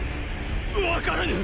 分からぬ！